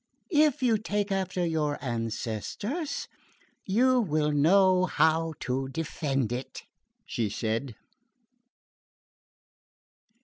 "If you take after your ancestors you will know how to defend it," she said.